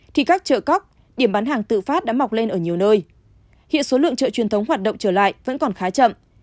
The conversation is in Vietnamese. thì các chợ cóc điểm bán hàng tự phát đã mọc lên ở nhiều nơi hiện số lượng chợ truyền thống hoạt động trở lại vẫn còn khá chậm